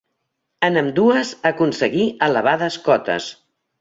En ambdues aconseguí elevades cotes.